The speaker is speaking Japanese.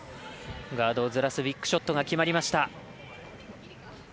ガードをずらすウィックショットが決まりました。